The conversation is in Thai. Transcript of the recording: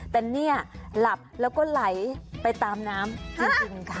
แต่เนี่ยหลับแล้วก็ไหลไปตามน้ำจริงค่ะ